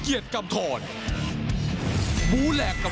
สวัสดีครับกลับมาว่ากันต่อกับความมั่นของศึกยอดมวยไทยรัฐนะครับ